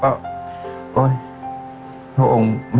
เพราะองค์